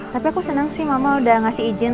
tapi aku senang sih mama udah ngasih izin